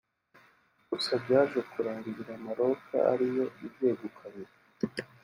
gusa byaje kurangira Maroc ariyo ibyegukanye